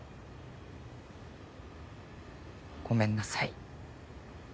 ごめんなさい。